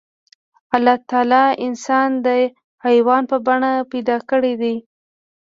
الله تعالی انسان د حيوان په بڼه پيدا کړی دی.